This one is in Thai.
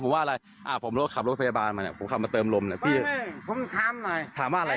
มีใกล้กว่านี้อีกค่ะตอนที่กู้ภัยถ่ายเอาไว้